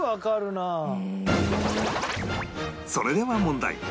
それでは問題